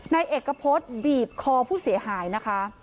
นายเอกพฤษบีบคอผู้เสียหายนะคะ